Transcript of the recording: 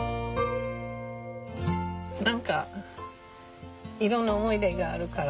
何かいろんな思い出があるから。